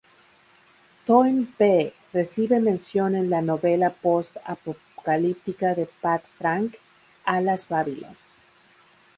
Toynbee recibe mención en la novela post-apocalíptica de Pat Frank, ""Alas, Babylon"".